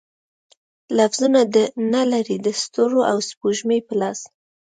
لفظونه، نه لري د ستورو او سپوږمۍ په لاس